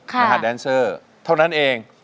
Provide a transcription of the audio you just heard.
นะฮะแดนเซอร์เท่านั้นเอง